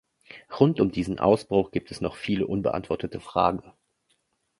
Rund um diesen Ausbruch gibt es noch viele unbeantwortete Fragen.